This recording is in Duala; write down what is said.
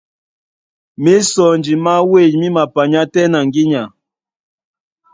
Mísɔnji má wêy mí mapanyá tɛ́ na ŋgínya.